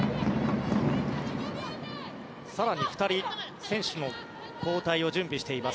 更に２人選手の交代を準備しています